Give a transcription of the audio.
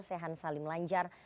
sehan salim lanjar